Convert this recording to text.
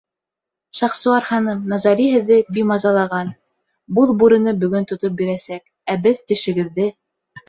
— Шахсуар ханым, Назари һеҙҙе бимазалаған Буҙ бүрене бөгөн тотоп бирәсәк, ә беҙ тешегеҙҙе...